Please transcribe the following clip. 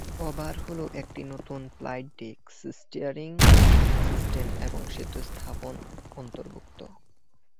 Overhaul একটি নতুন flight deck, steering system এবং সেতু স্থাপন অন্তর্ভুক্ত।